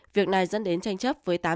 việc này dẫn đến tranh chấp với tám chị em